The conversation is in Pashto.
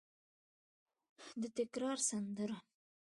د تکرار سندره